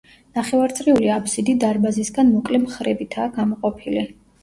ნახევარწრიული აბსიდი დარბაზისგან მოკლე მხრებითაა გამოყოფილი.